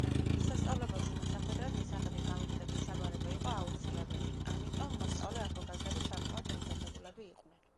სასწავლებელში მოსახვედრად მისაღები გამოცდების ჩაბარება იყო აუცილებელი, ამიტომ მოსწავლე ახალგაზრდები საკმაოდ მომზადებულები იყვნენ.